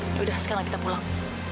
ya udah sekarang kita pulang